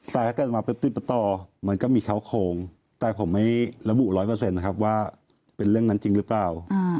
แต่ถ้าเกิดมาปุ๊บติดประต่อมันก็มีเขาโคงแต่ผมไม่ระบุร้อยเปอร์เซ็นต์นะครับว่าเป็นเรื่องนั้นจริงหรือเปล่า